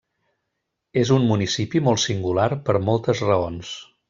És un municipi molt singular per moltes raons.